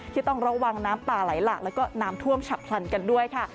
ที่ต้องระวังน้ำป่าไหลหลากแล้วก็น้ำท่วมฉับพลันกันด้วยค่ะ